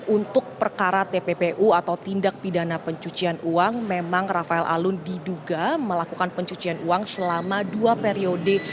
untuk perkara tppu atau tindak pidana pencucian uang memang rafael alun diduga melakukan pencucian uang selama dua periode